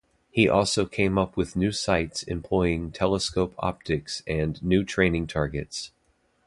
He also came up with new sights employing telescope optics and new training targets.